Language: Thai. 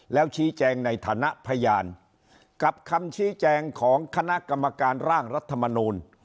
แล้วชี้แจงในฐานะพยานกับคำชี้แจงของคณะกรรมการร่างรัฐมนูล